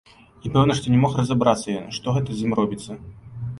І пэўна, што не мог разабрацца ён, што гэта з ім робіцца.